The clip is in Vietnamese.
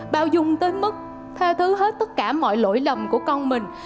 bao dung tới mức tha thứ hết tất cả mọi lỗi lầm của con mình